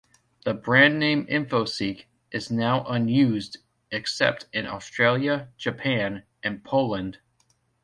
The brand name of Infoseek is now unused except in Australia, Japan and Poland.